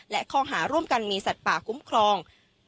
และข้อหาร่วมกันมีสัตว์ป่าคุ้มครอง